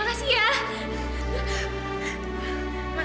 member beurangan baru